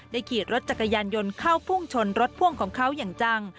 ขี่รถจักรยานยนต์เข้าพุ่งชนรถพ่วงของเขาอย่างจัง